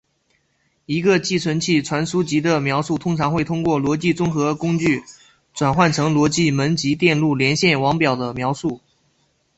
一个寄存器传输级的描述通常会通过逻辑综合工具转换成逻辑门级电路连线网表的描述。